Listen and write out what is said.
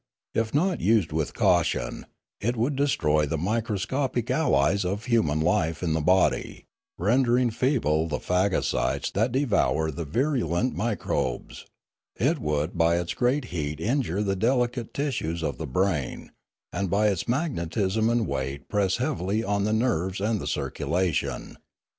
If not used with caution, it would destroy the microscopic allies of human life in the body, rendering feeble the phagocytes that devour the virulent microbes; it would by its great heat injure the delicate tissues of the brain, and by its magnetism and weight press heavily on the nerves and the circulation.